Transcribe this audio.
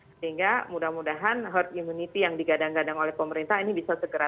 sehingga mudah mudahan herd immunity yang digadang gadang oleh pemerintah ini bisa segera